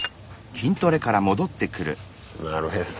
なるへそ。